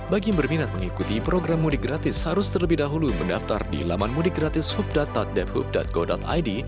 bagi berminat mengikuti program mudik gratis harus terlebih dahulu mendaftar di laman mudikgratishoop todd gov id